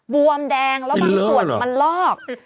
บวมแดงแล้วบางส่วนมันลอก